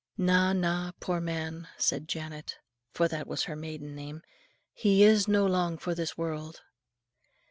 "Na, na, poor man," said Janet, for that was her maiden name, "he is no long for this world."